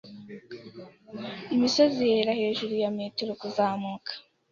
Imisozi iboneka hejuru ya metero kuzamuka